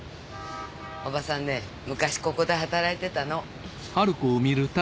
おばさんね昔ここで働いてたの。